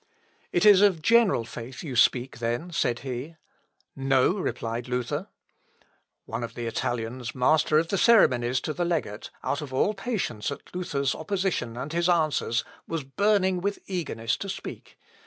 "It is of general faith you speak, then," said he. "No!" replied Luther. One of the Italians, master of the ceremonies to the legate, out of all patience at Luther's opposition and his answers, was burning with eagerness to speak.